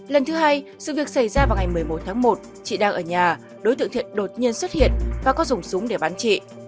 lần thứ hai sự việc xảy ra vào ngày một mươi một tháng một chị đang ở nhà đối tượng thiện đột nhiên xuất hiện và có dùng súng để bắn chị